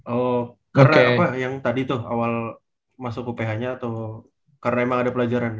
oh karena apa yang tadi tuh awal masuk uph nya atau karena emang ada pelajaran